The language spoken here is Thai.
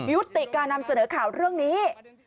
ยุติการนำเสนอข่าวเรื่องนี้